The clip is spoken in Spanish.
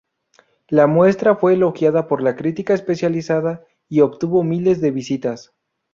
La muestra fue elogiada por la crítica especializada y obtuvo miles de visitas.